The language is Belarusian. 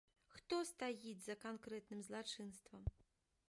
Хто стаіць за канкрэтным злачынствам.